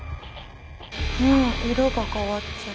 うん色が変わっちゃう。